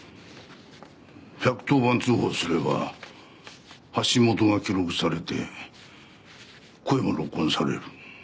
１１０番通報すれば発信元が記録されて声も録音される。